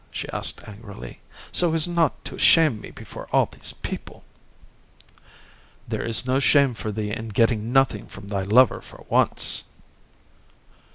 she asked, angrily; "so as not to shame me before all these people." "There is no shame for thee in getting nothing from thy lover for once."